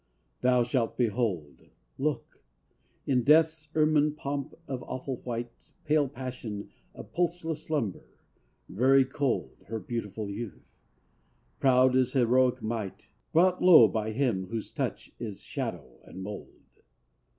Thou shalt behold. Look: in death's ermine pomp of awful white, Pale passion of pulseless slumber, very cold, Her beautiful youth! Proud as heroic might, Brought low by him whose touch is shadow and mold.